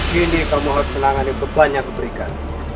kini kamu harus menangani beban yang diberikan